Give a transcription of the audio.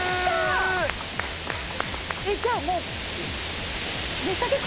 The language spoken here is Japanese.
えっじゃあもう。